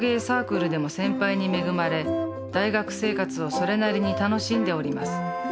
サークルでも先輩に恵まれ大学生活をそれなりに楽しんでおります。